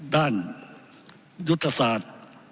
ด้านยุทธศาสตร์